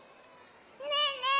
ねえねえ